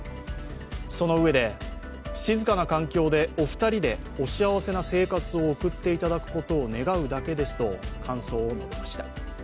そのうえで、静かな環境でお二人でお幸せな生活を送っていただくことを願うだけですと感想を述べました。